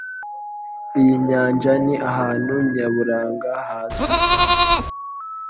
Iyi nyanja ni ahantu nyaburanga hazwi cyane.